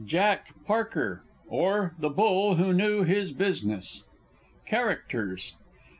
JACK PARKER; OR, THE BULL WHO KNEW HIS BUSINESS. CHARACTERS.